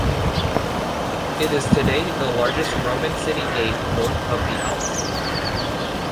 It is today the largest Roman city gate north of the Alps.